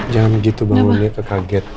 jangan begitu bangun dia kekaget